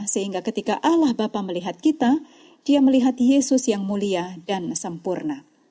sehingga ketika allah bapa melihat kita dia melihat yesus yang mulia dan sempurna